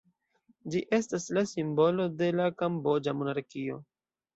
Ĝi estas la simbolo de la kamboĝa monarkio.